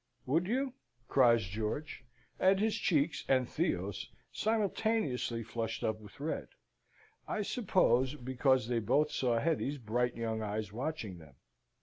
"Would you?" cries George, and his cheeks and Theo's simultaneously flushed up with red; I suppose because they both saw Hetty's bright young eyes watching them.